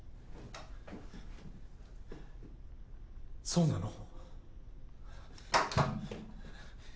そうなの？